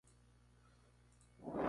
Andy y Hugo son amigos desde niños.